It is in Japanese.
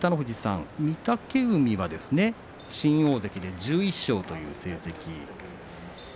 御嶽海は新大関で１１勝という成績。